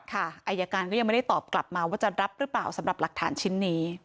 อายการก็ยังไม่ได้ตอบกลับมาว่าจะรับหรือเปล่าสำหรับหลักฐานชิ้นนี้